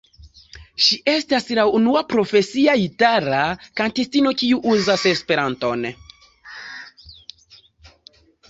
Ŝi estas la unua profesia itala kantistino, kiu uzas esperanton.